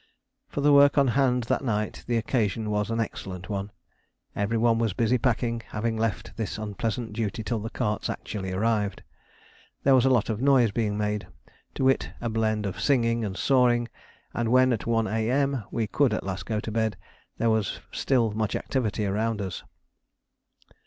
For the work on hand that night the occasion was an excellent one. Every one was busy packing, having left this unpleasant duty till the carts actually arrived. There was a lot of noise being made to wit, a blend of singing and sawing; and when at 1 A.M. we could at last go to bed, there was still much activity around us.